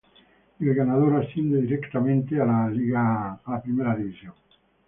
Y el ganador asciende directamente a la Premier League.